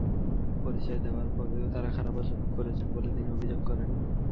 পরিচয় দেওয়ার পরেও তাঁরা খারাপ আচরণ করেছেন বলে তিনি অভিযোগ করেন।